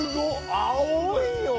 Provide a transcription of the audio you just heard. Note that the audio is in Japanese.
青いよ！